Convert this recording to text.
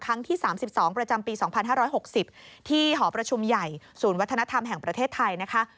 ที่๓๒ประจำปี๒๕๖๐ที่หอประชุมใหญ่ศูนย์วัฒนธรรมแห่งประเทศไทยนะคะ